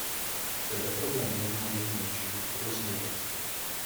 Tento problém nemá jen menšinový rozměr.